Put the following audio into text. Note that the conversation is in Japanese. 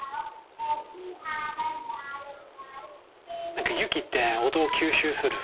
何か雪って音を吸収する。